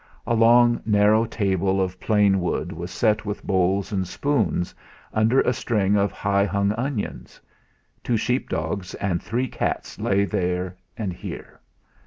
A long, narrow table of plain wood was set with bowls and spoons, under a string of high hung onions; two sheep dogs and three cats lay here and there.